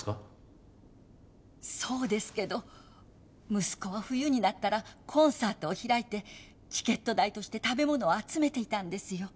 そうですけど息子は冬になったらコンサートを開いてチケット代として食べ物を集めていたんですよ。